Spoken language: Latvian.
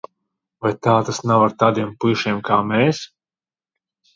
Vai tā tas nav ar tādiem puišiem kā mēs?